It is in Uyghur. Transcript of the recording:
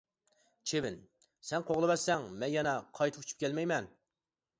چىۋىن: سەن قوغلىۋەتسەڭ، مەن يەنە قايتا ئۇچۇپ كەلمەيمەن.